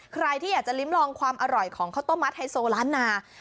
ใครที่อยากจะลิ้มลองความอร่อยของข้าวต้มมัดไฮโซล้านนา